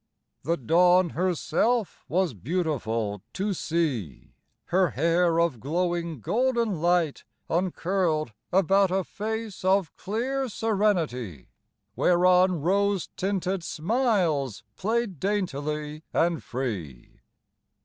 The Dawn herself was beautiful to see; Her hair of glowing golden light uncurled About a face of clear serenity, Whereon rose tinted smiles played daintily and free.